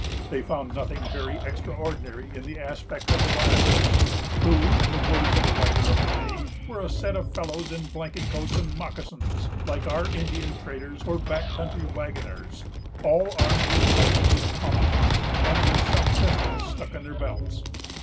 They found nothing very extraordinary in the aspect of the rioters, who, in the words of a writer of the day, were "a set of fellows in blanket coats and moccasons, like our Indian traders or back country wagoners, all armed with rifles and tomahawks, and some with pistols stuck in their belts."